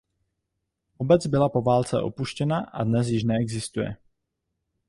Obec byla po válce opuštěna a dnes již neexistuje.